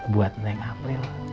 buat naik april